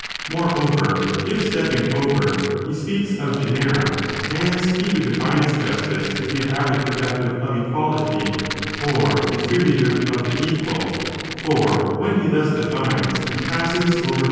Moreover, if stepping over, he speaks of ge nera,' as he who (defines) justice to be a habit productive of equality, or distributive of the equal, for when he thus defines, he passes over virtue.